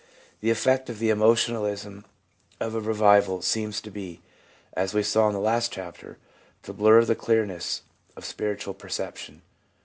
The effect of the emotionalism of a revival seems to be, as we saw in the last chapter, to blur the clearness of spiritual perception.